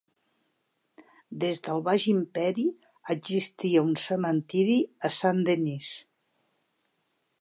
Des del Baix Imperi, existia un cementiri a Saint-Denis.